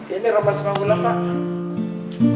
ini roman semanggulan pak